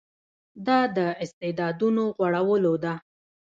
دا د استعدادونو غوړولو ده.